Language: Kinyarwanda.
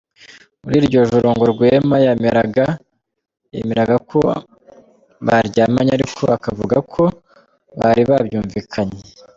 Muri iryo joro ngo Rwema yemeraga ko baryamanye ariko akavuga ko bari babyumvikanye.